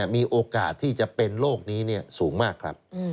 มีโอกาสที่จะเป็นโรคนี้สูงมากครับ